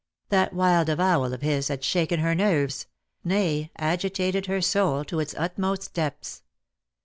That wild avowal of his had shaken her nerves, nay, agitated her soul to its utmost depths.